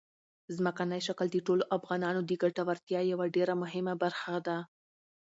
ځمکنی شکل د ټولو افغانانو د ګټورتیا یوه ډېره مهمه برخه ده.